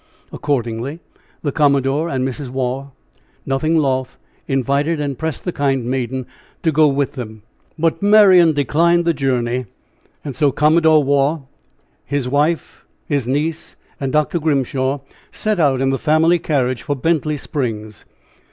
Accordingly, the commodore and Mrs. Waugh, nothing loth, invited and pressed the kind maiden to go with them. But Marian declined the journey, and Commodore Waugh, with his wife, his niece and his Grim set out in the family carriage for Bentley Springs.